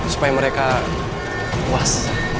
supaya mereka puas